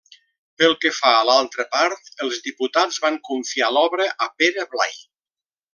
Pel que fa a l’altra part, els diputats van confiar l’obra a Pere Blai.